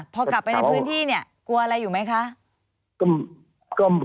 พอกลับไปในพื้นที่เนี่ยกลัวอะไรอยู่ไหมคะ